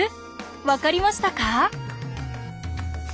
分かりましたか？